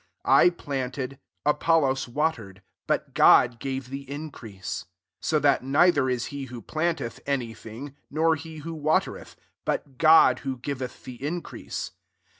6 I planted ; Apollos water* ed ; but God gave the increase. 7 So that, neither is he who planteth, any thing, nor he who water eth ; but God who givetfc tl^ increase.